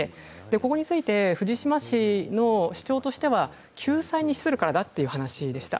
ここについて藤島氏の主張としては救済に資するからだと言っておりました。